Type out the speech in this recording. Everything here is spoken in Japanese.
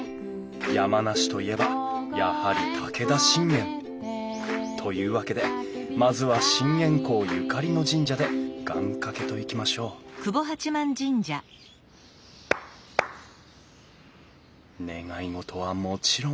山梨といえばやはり武田信玄。というわけでまずは信玄公ゆかりの神社で願かけといきましょう願い事はもちろん！